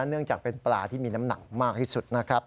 เนื่องจากเป็นปลาที่มีน้ำหนักมากที่สุดนะครับ